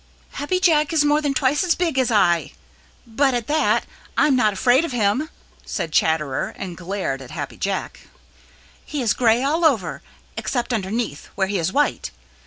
"Happy Jack is more than twice as big as I, but at that, I'm not afraid of him," said Chatterer and glared at Happy Jack. "He is gray all over, except underneath, where he is white.